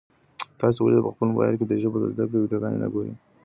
تاسي ولي په خپل موبایل کي د ژبو د زده کړې ویډیوګانې نه ګورئ؟